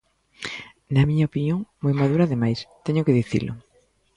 Na miña opinión moi maduro ademais, teño que dicilo.